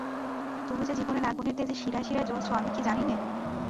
তুমি যে জীবনের আগুনের তেজে শিরায় শিরায় জ্বলছ আমি কি জানি নে?